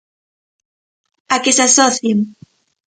A que se asocien.